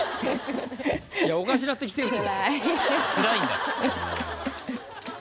いやおかしなってきてるって。